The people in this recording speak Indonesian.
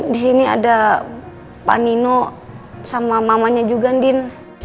di sini ada pak nino sama mamanya juga andin